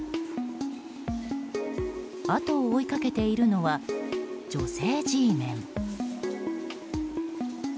あとを追いかけているのは女性Ｇメン。